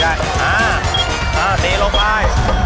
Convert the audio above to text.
ค่อยเอาขึ้นมา